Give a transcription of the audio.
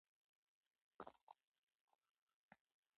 د سیندونو اوبه د انسانانو لپاره ضروري دي.